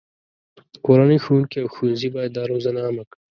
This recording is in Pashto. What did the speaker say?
کورنۍ، ښوونکي، او ښوونځي باید دا روزنه عامه کړي.